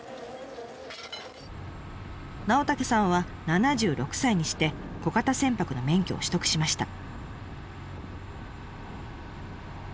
尚武さんは７６歳にして小型船舶の免許を取得しました。